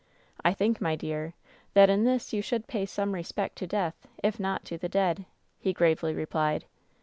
I think, my dear, that in this you should pay some respect to death, if not to the dead,' he gravely replied.